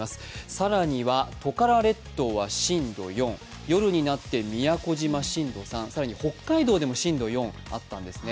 更にはトカラ列島は震度４、夜になって宮古島震度３、更に北海道でも震度４あったんですね。